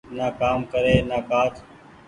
نآ ڪآم ڪري نآ ڪآج۔